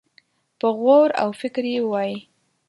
په غور او فکر يې ووايي.